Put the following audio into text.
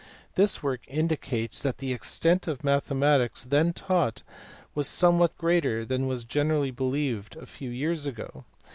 This work indicates that the extent of mathe matics then taught was somewhat greater than was generally believed a few years ago.